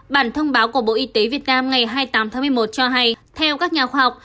bản thông báo của bộ y tế việt nam ngày hai mươi tám tháng một mươi một cho hay theo các nhà khoa học